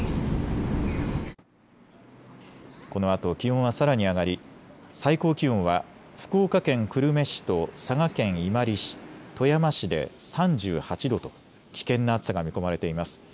このあと気温はさらに上がり最高気温は福岡県久留米市と佐賀県伊万里市、富山市で３８度と危険な暑さが見込まれています。